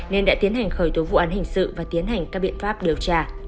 nên đã tiến hành khởi tố vụ án hình sự và tiến hành các biện pháp điều tra